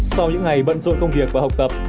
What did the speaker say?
sau những ngày bận rộn công việc và học tập